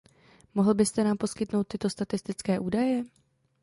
Mohl byste nám poskytnout tyto statistické údaje?